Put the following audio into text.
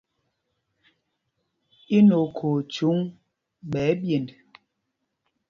Í nɛ okhǒ o chúŋ phūs ɓɛ̌ ɛ́ɓyend ?